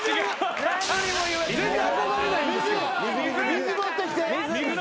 水持ってきて。